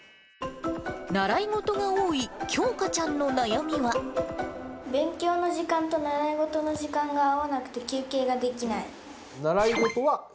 習い事が多いきょうかちゃん勉強の時間と習い事の時間が合わなくて休憩ができない。